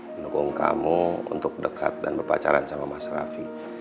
mendukung kamu untuk dekat dan berpacaran sama mas raffi